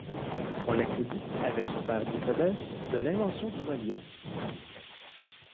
On la crédite, avec son père Boutadès, de l'invention du relief.